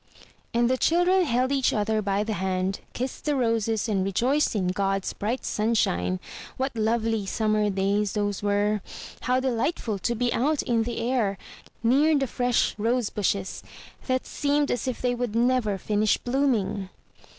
And the children held each other by the hand, kissed the roses, and rejoiced in God's bright sunshine. What lovely summer days those were! How delightful to be out in the air, near the fresh rose bushes, that seemed as if they would never finish blooming!